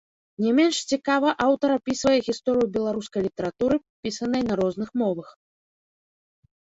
Не менш цікава аўтар апісвае гісторыю беларускай літаратуры, пісанай на розных мовах.